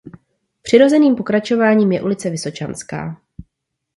Přirozeným pokračováním je ulice Vysočanská.